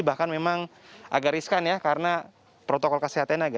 bahkan memang agak riskan ya karena protokol kesehatan